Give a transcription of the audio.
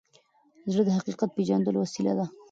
زړه د حقیقت پیژندلو وسیله ده.